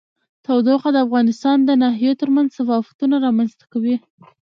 تودوخه د افغانستان د ناحیو ترمنځ تفاوتونه رامنځ ته کوي.